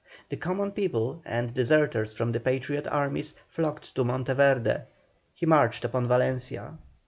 The common people, and deserters from the Patriot armies, flocked to Monteverde; he marched upon Valencia.